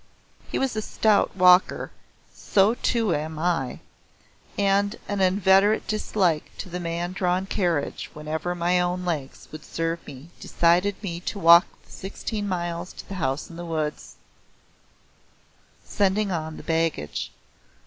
He was a stout walker, so too am I, and an inveterate dislike to the man drawn carriage whenever my own legs would serve me decided me to walk the sixteen miles to the House in the Woods, sending on the baggage.